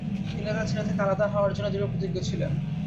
তিনি তার ছেলে থেকে আলাদা না হওয়ার জন্য দৃঢ়প্রতিজ্ঞ ছিলেন।